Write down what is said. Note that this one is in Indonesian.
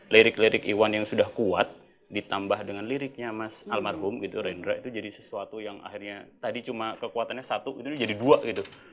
lirik lirik iwan yang sudah kuat ditambah dengan liriknya mas almarhum gitu rendra itu jadi sesuatu yang akhirnya tadi cuma kekuatannya satu itu jadi dua gitu